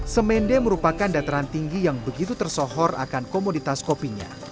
semende merupakan dataran tinggi yang begitu tersohor akan komoditas kopinya